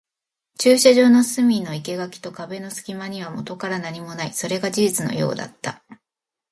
駐車場の隅の生垣と壁の隙間にはもとから何もない。それが事実のようだった。